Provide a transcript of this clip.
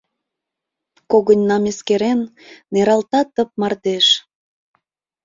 Когыньнам эскерен, Нералта тып мардеж.